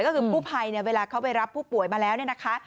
ก็คือกู้ภัยเนี่ยเวลาเขาไปรับผู้ป่วยมาแล้วเนี่ยนะคะ